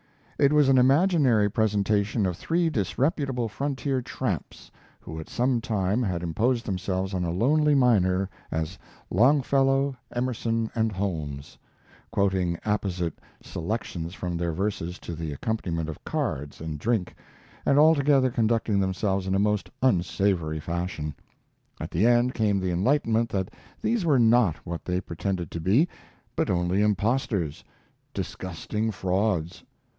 It was an imaginary presentation of three disreputable frontier tramps who at some time had imposed themselves on a lonely miner as Longfellow, Emerson, and Holmes, quoting apposite selections from their verses to the accompaniment of cards and drink, and altogether conducting themselves in a most unsavory fashion. At the end came the enlightenment that these were not what they pretended to be, but only impostors disgusting frauds.